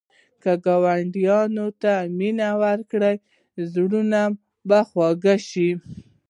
که ګاونډي ته مینه ورکړې، زړونه به خوږ شي